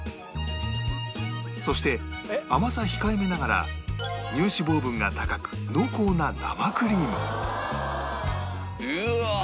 そして甘さ控えめながら乳脂肪分が高く濃厚な生クリーム